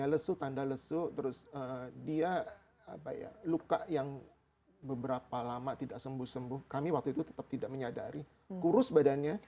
lesu tanda lesu terus dia luka yang beberapa lama tidak sembuh sembuh kami waktu itu tetap tidak menyadari kurus badannya